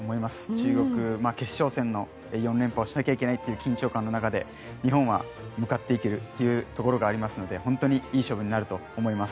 中国、決勝戦の４連覇をしなきゃいけないという緊張感の中で日本は向かっていけるというところがありますので本当にいい勝負になると思います。